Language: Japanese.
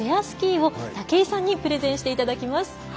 スキーを武井さんにプレゼンしていただきます。